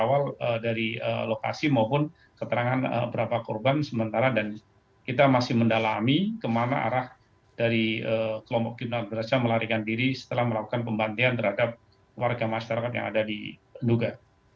awal dari lokasi maupun keterangan berapa korban sementara dan kita masih mendalami kemana arah dari kelompok jenazah melarikan diri setelah melakukan pembantian terhadap warga masyarakat yang ada di nduga